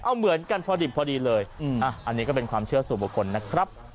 เอาเหมือนกันพอดิบพอดีเลยอันนี้ก็เป็นความเชื่อสู่บุคคลนะครับ